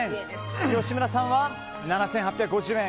吉村さんは７８５０円。